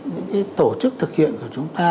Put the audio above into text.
những cái tổ chức thực hiện của chúng ta